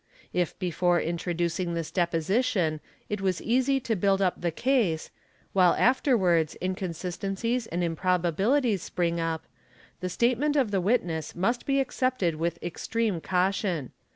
If before introducing this deposition it was easy to build the case, while afterwards inconsistencies and improbabilities spring the statement of the witness must be accepted with extreme caution.